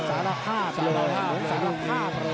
สารภาพเลยสารภาพเลย